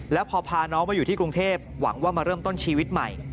แล้วพอพาน้องมาอยู่ที่กรุงเทพหวังว่ามาเริ่มต้นชีวิตใหม่